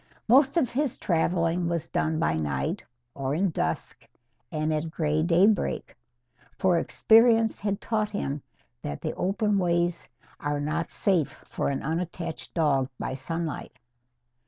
Most of his travelling was done by night or in dusk and at grey daybreak. For experience had taught him that the open ways are not safe for an unattached dog by sunlight.